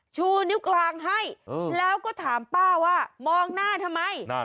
ชูนิ้วกลางให้แล้วก็ถามป้าว่ามองหน้าทำไม